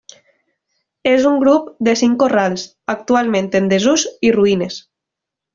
És un grup de cinc corrals, actualment en desús i ruïnes.